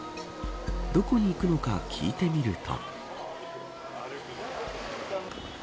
どこに行くのか聞いてみると。